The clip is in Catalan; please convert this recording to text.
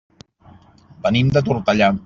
Venim de Tortellà.